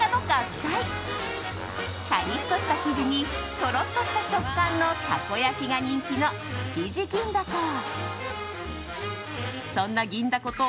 カリッとした生地にとろっとした食感のたこ焼きが人気の築地銀だこ。